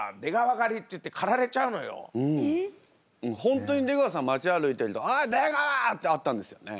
本当に出川さん街歩いてると「おい出川！」ってあったんですよね。